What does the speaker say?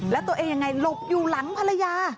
แล้วตัวเองยังไงหลบอยู่หลังภรรยา